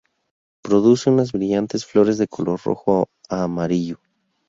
Produce unas brillantes flores de color rojo a amarillo.